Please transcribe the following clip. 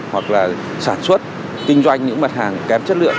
hoặc là sản xuất kinh doanh những mặt hàng kém chất lượng